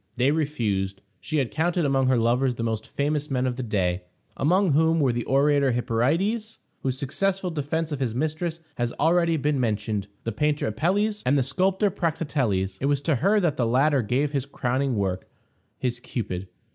They refused. She had counted among her lovers the most famous men of the day, among whom were the orator Hyperides, whose successful defense of his mistress has already been mentioned; the painter Apelles, and the sculptor Praxiteles. It was to her that the latter gave his crowning work his Cupid.